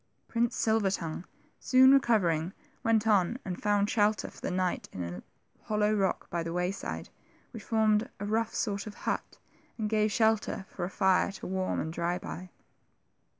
Prince Silver tongue, soon recovering, went on, and found shelter for the night in a hollow rock by the wayside, which formed a rough sort of hut, and gave shelter for a fire to warm and dry by.